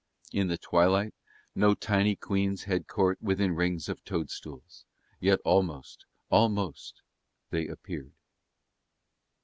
In the twilight no tiny queens had court within rings of toadstools: yet almost, almost they appeared.